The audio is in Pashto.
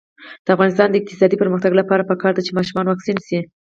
د افغانستان د اقتصادي پرمختګ لپاره پکار ده چې ماشومان واکسین شي.